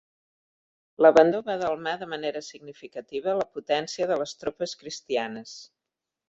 L'abandó va delmar de manera significativa la potència de les tropes cristianes.